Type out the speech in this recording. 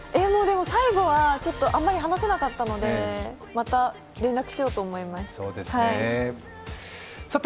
最後はあまり話せなかったので、また連絡しようと思います。